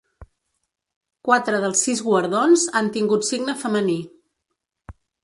Quatre dels sis guardons han tingut signe femení.